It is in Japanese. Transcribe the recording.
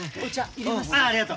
ありがとう。